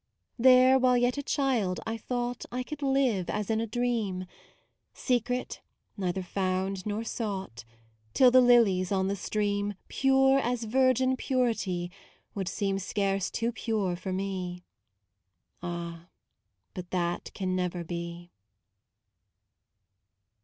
There, while yet a child I thought I could live as in a dream, Secret, neither found nor sought: Till the lilies on the stream, Pure as virgin purity, Would seem scarce too pure for me Ah, but that can never be.